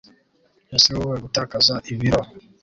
ese wowe gutakaza ibiro